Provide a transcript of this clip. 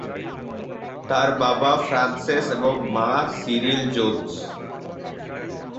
তার বাবা ফ্রান্সেস এবং মা সিরিল জোন্স।